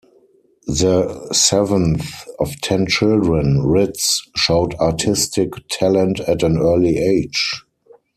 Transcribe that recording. The seventh of ten children, Ritz showed artistic talent at an early age.